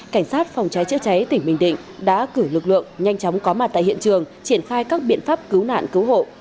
cảnh sát phòng cháy chữa cháy tỉnh bình định đã cử lực lượng nhanh chóng có mặt tại hiện trường triển khai các biện pháp cứu nạn cứu hộ